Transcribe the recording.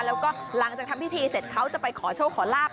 แล้วก็หลังจากทำพิธีเสร็จเขาจะไปขอโชคขอลาบ